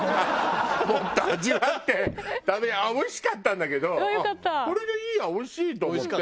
もっと味わっておいしかったんだけどこれでいいやおいしいと思って。